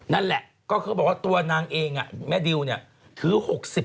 นั่นแหละก็เขาบอกว่าตัวนางเองแม่ดิวเนี่ยถือ๖๐